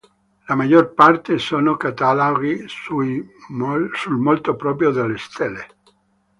La maggior parte sono cataloghi sul moto proprio delle stelle.